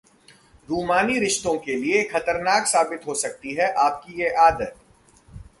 रूमानी रिश्तों के लिए खतरनाक साबित हो सकती है आपकी ये आदत